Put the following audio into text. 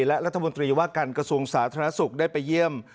และรัฐมนตรีว่าการกระทรวงสาธารณสุขได้ไปเยี่ยม